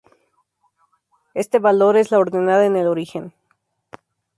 Este valor es la ordenada en el origen.